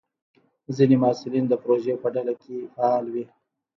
ځینې محصلین د پروژې په ډله کې فعال وي.